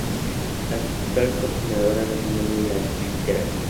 Actual coordinadora Nacional de Literatura.